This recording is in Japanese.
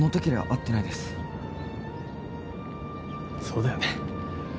そうだよね。